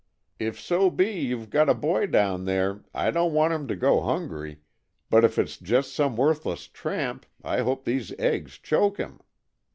If so be you have got a boy down there I don't want him to go hungry, but if it's just some worthless tramp, I hope these eggs choke him.